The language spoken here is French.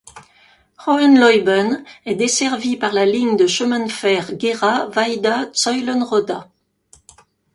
Hohenleuben est desservie par la ligne de chemin de fer Gera-Weida-Zeulenroda.